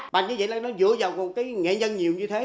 và như vậy nó dựa vào nghệ nhân nhiều như thế